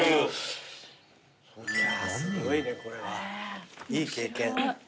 いやすごいねこれは。いい経験。